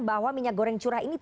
bahwa minyak goreng curah ini